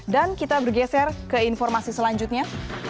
dan kita bergeser ke informasi selanjutnya